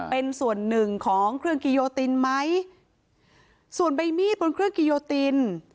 เป็นส่วนหนึ่งของเครื่องกิโยตินไหมส่วนใบมีดบนเครื่องกิโยติน